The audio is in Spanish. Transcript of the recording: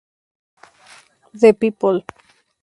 The People.